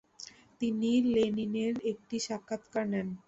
তিনি লেনিনের একটি সাক্ষাৎকার নেন।